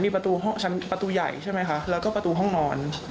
มีประตูใหญ่ใช่ไหมคะแล้วก็ประตูห้องนอน